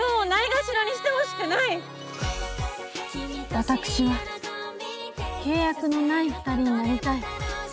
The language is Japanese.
私は契約のない二人になりたい。